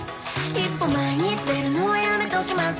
「一歩前に出るのはやめときます」